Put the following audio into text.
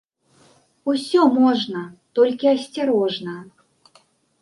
Усё можна, толькі асцярожна.